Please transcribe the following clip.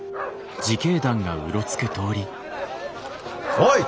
おい！